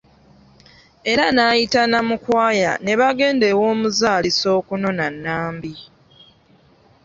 Era n'ayita Namukwaya ne bagenda ew'omuzaalisa okunona Nambi.